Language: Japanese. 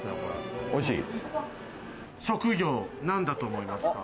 職業、何だと思いますか？